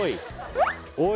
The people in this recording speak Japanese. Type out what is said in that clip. おい